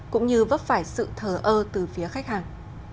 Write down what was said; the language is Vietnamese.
cũng như vấp phải sự thờ ơ từ phía khách hàng